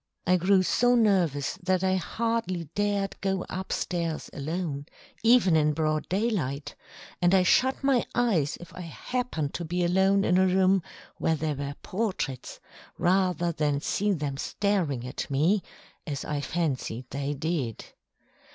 I grew so nervous that I hardly dared go up stairs alone, even in broad daylight, and I shut my eyes if I happened to be alone in a room where there were portraits, rather than see them staring at me, as I fancied they did.